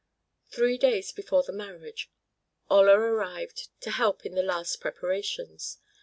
Three days before the marriage, Olla arrived to help in the last preparations.